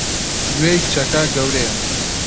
گوێی کچەکە گەورەیە!